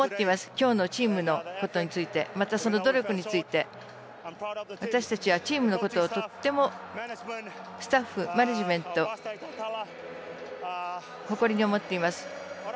今日のチームについてまた、その努力について。私たちはチームのことをとってもスタッフ、マネジメント誇りに思っています。